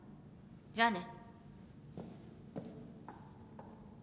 じゃあね。